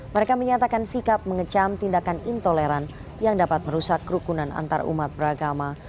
mereka menyatakan sikap mengecam tindakan intoleran yang dapat merusak kerukunan antarumat beragama